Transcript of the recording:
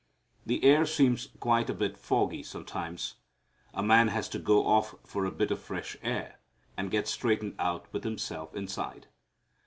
The air seems quite a bit foggy sometimes. A man has to go off for a bit of fresh air and get straightened out with himself inside.